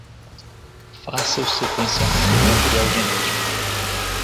Faça o sequenciamento do material genético